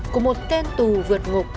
của một tên tù vượt ngục